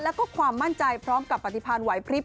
แล้วก็ความมั่นใจพร้อมกับปฏิพันธ์ไหวพริบ